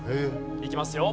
いきますよ。